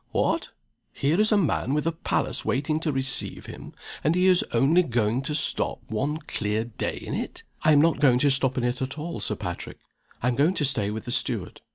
"What! Here is a man with a palace waiting to receive him and he is only going to stop one clear day in it!" "I am not going to stop in it at all, Sir Patrick I am going to stay with the steward.